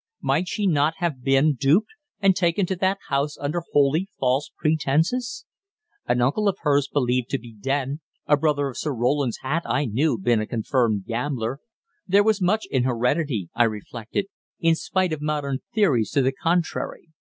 Might she not have been duped, and taken to that house under wholly false pretences? An uncle of hers believed to be dead, a brother of Sir Roland's, had, I knew, been a confirmed gambler. There was much in heredity, I reflected, in spite of modern theories to the contrary.